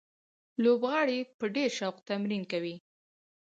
لوبغاړي په ډېر شوق تمرین کوي.